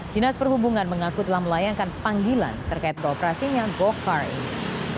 dinas perhubungan mengaku telah melayangkan panggilan terkait peroperasinya gocar ini